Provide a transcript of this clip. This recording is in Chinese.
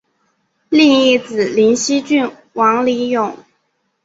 另一子灵溪郡王李咏。